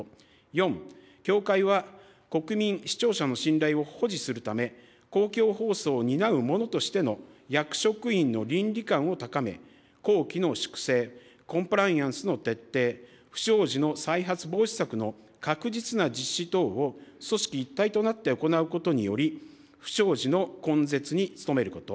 ４、協会は国民・視聴者の信頼を保持するため、公共放送を担う者としての役職員の倫理観を高め、綱紀の粛正、コンプライアンスの徹底、不祥事の再発防止策の確実な実施等を、組織一体となって行うことにより、不祥事の根絶に努めること。